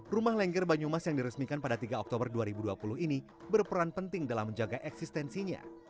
rumah lengger banyumas yang diresmikan pada tiga oktober dua ribu dua puluh ini berperan penting dalam menjaga eksistensinya